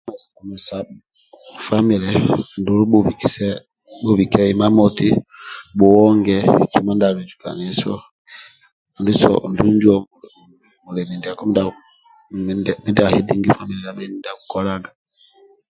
Famile andulu bhubikise bhubike imamoti bhuonge buli kimui ndia aluzukanio so andulu injo bhulemi ndiako mindia amending famile ndia bhenu ndia akikolaga